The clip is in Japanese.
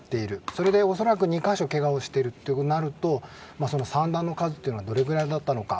それで恐らく２か所、けがをしているとなると散弾の数はどれくらいだったのか。